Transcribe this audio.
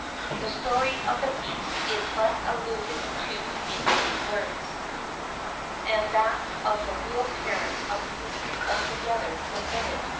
The story of the Beast is but alluded to in a few words, and that of the real parents of Beauty altogether omitted.